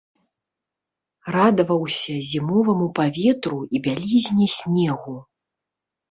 Радаваўся зімоваму паветру і бялізне снегу.